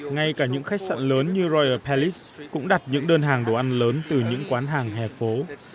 ngay cả những khách sạn lớn như royal pelis cũng đặt những đơn hàng đồ ăn lớn từ những quán hàng hẻ phố